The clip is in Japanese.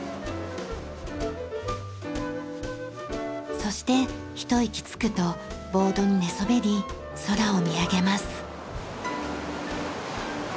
そしてひと息つくとボードに寝そべり空を見上げます。